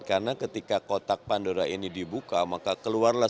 karena ketika kotak pandora dikembangkan kita tidak bisa memutuskan